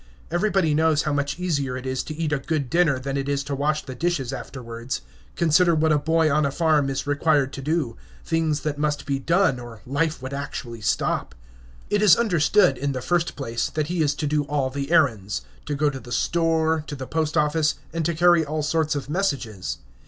Everybody knows how much easier it is to eat a good dinner than it is to wash the dishes afterwards. Consider what a boy on a farm is required to do; things that must be done, or life would actually stop. It is understood, in the first place, that he is to do all the errands, to go to the store, to the post office, and to carry all sorts of messages.